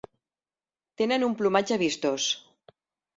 Tenen un plomatge vistós.